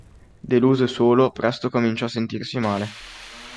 Deluso e solo, presto cominciò a sentirsi male.